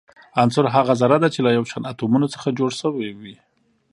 عنصر هغه ذره ده چي له يو شان اتومونو څخه جوړ سوی وي.